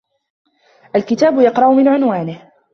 الكتاب يقرأ من عنوانه